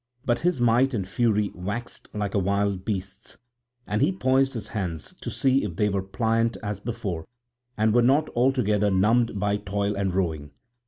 But his might and fury waxed like a wild beast's; and he poised his hands to see if they were pliant as before and were not altogether numbed by toil and rowing.